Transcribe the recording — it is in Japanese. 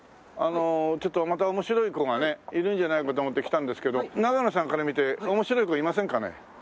ちょっとまた面白い子がねいるんじゃないかと思って来たんですけどながのさんから見て面白い子いませんかね？